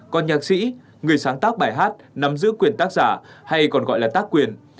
còn nhạc sĩ người sáng tác bài hát nắm giữ quyền tác giả hay còn gọi là tác quyền